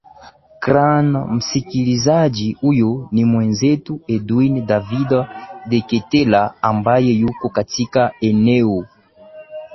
kran msikilizaji huyo ni mwenzetu edwin david deketela ambaye yuko katika eneo